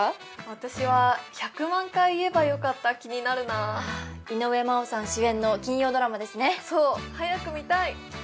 私は「１００万回言えばよかった」気になるな井上真央さん主演の金曜ドラマですねそう早く見たい！